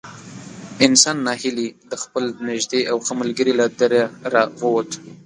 انسان نا هیلی د خپل نږدې او ښه ملګري له دره را ووت.